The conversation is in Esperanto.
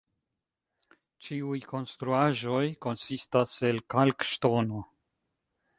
Ĉiuj konstruaĵoj konsistas el kalkŝtono.